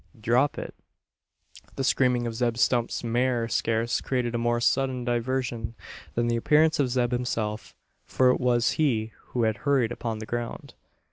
Drop it!" The screaming of Zeb Stump's mare scarce created a more sudden diversion than the appearance of Zeb himself for it was he who had hurried upon the ground.